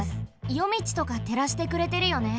よみちとかてらしてくれてるよね。